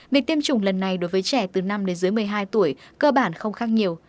việc tiêm chủng lần này đối với trẻ từ năm đến dưới một mươi hai tuổi cơ bản không khác nhiều